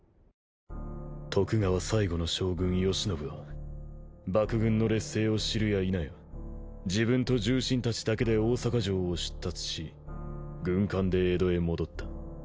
徳川最後の将軍慶喜は幕軍の劣勢を知るや否や自分と重臣たちだけで大阪城を出立し軍艦で江戸へ戻った。